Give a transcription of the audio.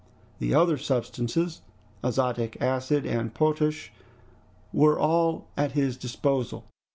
The other substances, azotic acid and potash, were all at his disposal.